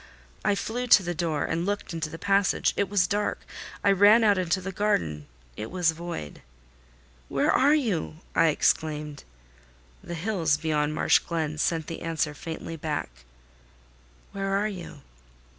I flew to the door and looked into the passage: it was dark. I ran out into the garden: it was void. "Where are you?" I exclaimed. The hills beyond Marsh Glen sent the answer faintly back—"Where are you?"